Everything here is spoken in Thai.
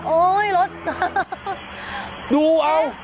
โอ๊ยรถดูเอา